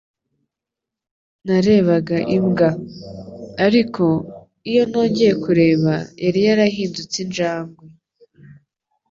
Narebaga imbwa. Ariko, iyo nongeye kureba, yari yarahindutse injangwe.